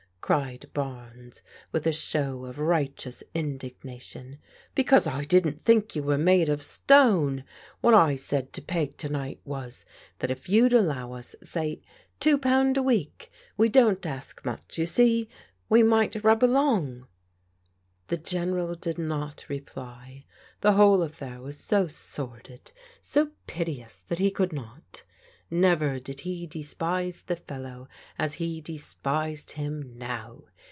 cried Barnes, with a show of righteous indignation. "Because I didn't think you were made of stone. What I said to Peg to night was, that if you'd allow us, say two pound a week — ^we don't ask much, you see — we might rub along." The General did not reply. The whole affair was so sordid, so piteous that he could not. Never did he despise the fellow as he despised him now.